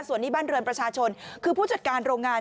ส่วนนี้บ้านเรือนประชาชนคือผู้จัดการโรงงาน